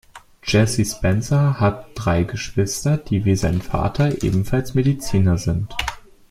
Jesse Spencer hat drei Geschwister, die wie sein Vater ebenfalls Mediziner sind.